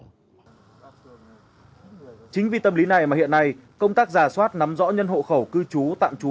chính vì tâm lý này mà hiện nay công tác giả soát nắm rõ nhân hộ khẩu cư trú